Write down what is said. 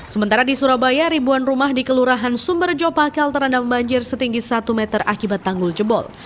sementara di surabaya ribuan rumah di kelurahan sumberjo pakal terendam banjir setinggi satu meter akibat tanggul jebol